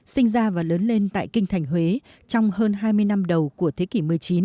sinh ra và lớn lên tại kinh thành huế trong hơn hai mươi năm đầu của thế kỷ một mươi chín